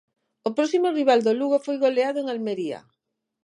O próximo rival do Lugo foi goleado en Almería.